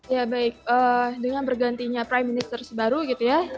ya baik dengan bergantinya prime minister baru gitu ya